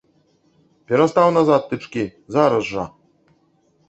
Перастаў назад тычкі, зараз жа!